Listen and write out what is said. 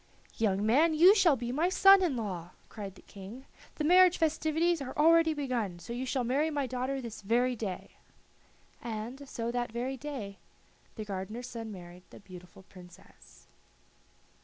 "Young man, you shall be my son in law," cried the King. "The marriage festivities are already begun, so you shall marry my daughter this very day." And so that very day the gardener's son married the beautiful Princess.